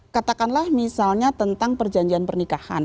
katakanlah misalnya tentang perjanjian pernikahan